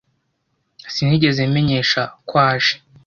Sinigeze menyesha ko aje.